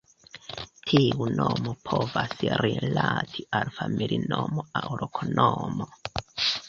Tiu nomo povas rilati al familinomo aŭ loknomo.